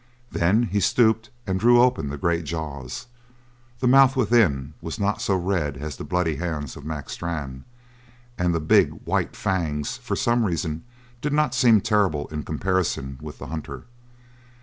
Then he stooped and drew open the great jaws. The mouth within was not so red as the bloody hands of Mac Strann; and the big, white fangs, for some reason, did not seem terrible in comparison with the hunter.